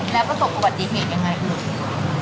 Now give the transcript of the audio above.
แล้วก็สกุปติภีร์ยังไงอื่น